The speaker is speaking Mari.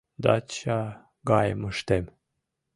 Дача гайым ыштем.